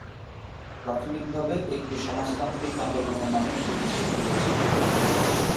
প্রাথমিকভাবে একটি সমাজতান্ত্রিক আন্দোলনের নামে প্রতিষ্ঠিত হয়েছিল।